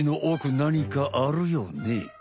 なにかあるよね。